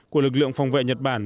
của lực lượng phòng vệ nhật bản